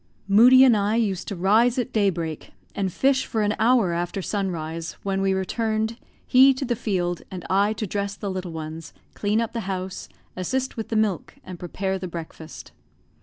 Moodie and I used to rise at daybreak, and fish for an hour after sunrise, when we returned, he to the field, and I to dress the little ones, clean up the house, assist with the milk, and prepare the breakfast.